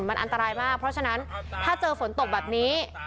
มันอันตรายมากเพราะฉะนั้นถ้าเจอฝนตกแบบนี้